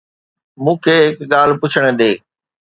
مون کي هڪ ڳالهه پڇڻ ڏي